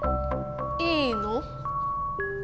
いいの？